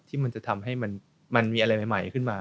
มันจะทำให้มันมีอะไรใหม่ขึ้นมา